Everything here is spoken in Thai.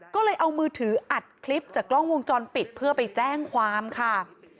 ก็เลยเอามือถืออัดคลิปจากกล้องวงจรปิดเพื่อไปแจ้งความค่ะ